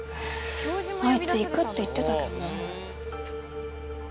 あいつ行くって言ってたけどな。